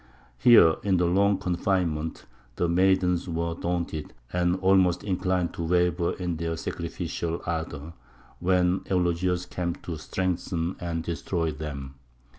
Here, in the long confinement, the maidens were daunted, and almost inclined to waver in their sacrificial ardour, when Eulogius came to strengthen and destroy them.